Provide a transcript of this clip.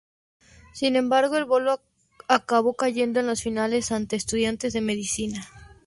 Sin embargo, el Bolo acabó cayendo en las finales ante Estudiantes de Medicina.